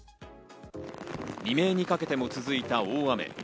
未明にかけても続いた大雨。